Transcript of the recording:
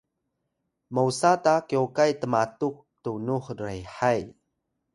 mosa ta kyokay tmatuk tunux rehay